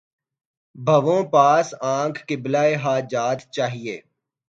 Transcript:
بھَوں پاس آنکھ قبلۂِ حاجات چاہیے